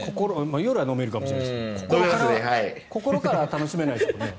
夜は飲めるかもしれませんが心からは楽しめないですよね？